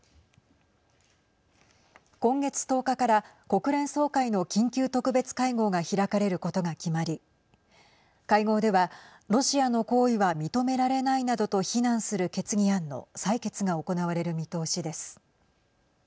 今月１０日から国連総会の緊急特別会合が開かれることが決まり会合ではロシアの行為は認められないなどと非難する決議案の採決が行われる見通しです。